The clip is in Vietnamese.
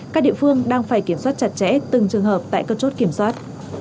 các địa phương đang phải kiểm soát chặt chẽ từng trường hợp tại các chốt kiểm soát